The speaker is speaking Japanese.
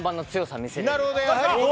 見せて。